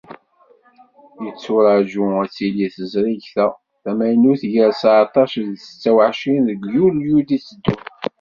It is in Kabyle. Yetturaǧu ad tili teẓrigt-a tamaynut, gar seεṭac d setta u εecrin deg yulyu i d-iteddun.